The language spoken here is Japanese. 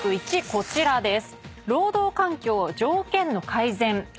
こちらです。